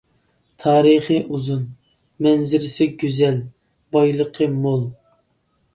تارىخى ئۇزۇن، مەنزىرىسى گۈزەل، بايلىقى مول.